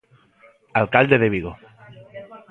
Alcalde de Vigo.